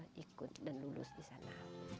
dia ikut dan lulus di sana